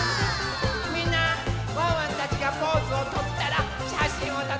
みんなワンワンたちがポーズをとったらしゃしんをとってね。